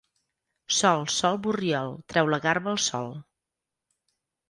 Sol, sol, Borriol, treu la garba al sol.